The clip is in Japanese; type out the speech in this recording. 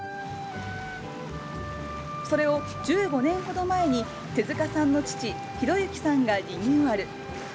それを１５年ほど前に、手塚さんの父、弘之さんがリニューアル。